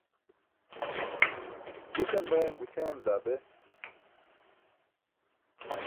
Gusan bayam gućʰayam daa be.